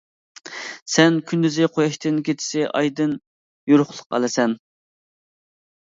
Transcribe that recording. سەن كۈندۈزى قۇياشتىن، كېچىسى ئايدىن يورۇقلۇق ئالىسەن.